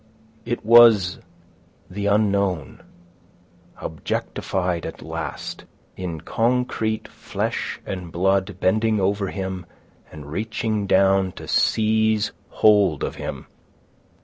It was the unknown, objectified at last, in concrete flesh and blood, bending over him and reaching down to seize hold of him.